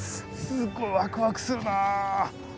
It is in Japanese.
すごいワクワクするな。